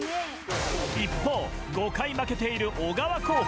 一方、５回負けている小川候補。